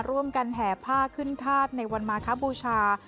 ร่วมกันแห่ผ้าขึ้นทาสในวันมาข้าบูชา